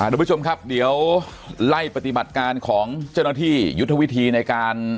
ทุกผู้ชมครับเดี๋ยวไล่ปฏิบัติการของเจ้าหน้าที่ยุทธวิธีในการ